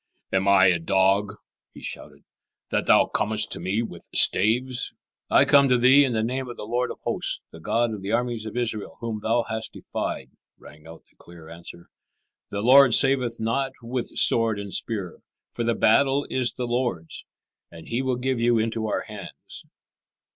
"Am I a dog," he shouted, "that thou comest to me with staves?" [Illustration: David's fight with Goliath.] "I come to thee in the name of the Lord of Hosts, the God of the armies of Israel, whom thou hast defied," rang out the clear answer. "The Lord saveth not with sword and spear; for the battle is the Lord's, and He will give you into our hands."